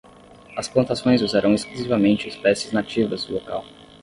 As plantações usarão exclusivamente espécies nativas do local.